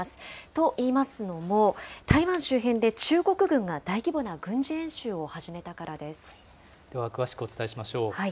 と言いますのも、台湾周辺で中国軍が大規模な軍事演習を始めたかでは詳しくお伝えしましょう。